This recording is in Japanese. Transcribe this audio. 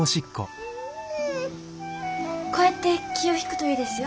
こうやって気を引くといいですよ。